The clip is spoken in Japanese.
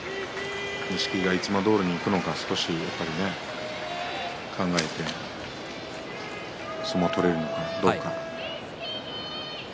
錦木がいつもどおりにいくのか考えて相撲を取るかどうか。